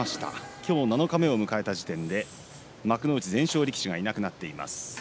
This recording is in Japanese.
今日、七日目を迎えた時点で幕内全勝力士いなくなっています。